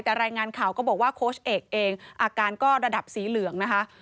แต่รายงานข่าวก็บอกว่าโค้ชเอกเองอาการก็ระดับสีเหลืองนะคะ